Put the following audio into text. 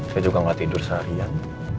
saya juga nggak tidur seharian